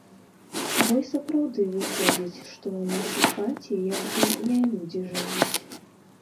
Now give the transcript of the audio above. Бо і сапраўды выходзіць, што ў нас у хаце як бы не людзі жывуць.